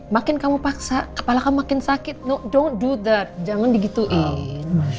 makin kamu paksa kepala kamu makin sakit no don't do that jangan di gituin